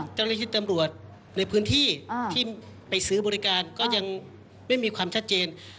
เจ้าหน้าที่ตำรวจในพื้นที่ที่ไปซื้อบริการก็ยังไม่มีความชัดเจน